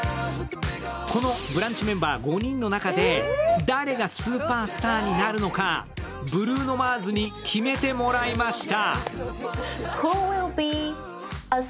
このブランチメンバー５人の中で、誰がスーパースターになるのか、ブルーノ・マーズに決めてもらいました。